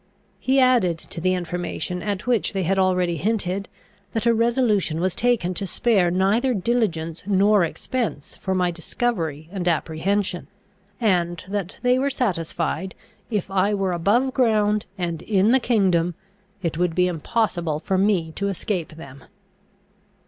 He added to the information at which they had already hinted, that a resolution was taken to spare neither diligence nor expense for my discovery and apprehension, and that they were satisfied, if I were above ground and in the kingdom, it would be impossible for me to escape them.